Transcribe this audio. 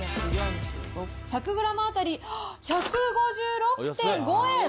１００グラム当たり１５６．５円！